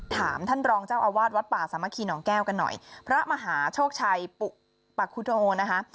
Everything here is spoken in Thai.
ถามท่านรองเจ้าอาวาสวัดป่าสามัคคีหนองแก้วกันหน่อยพระมหาโชคชัยปุปคุธโอนะคะ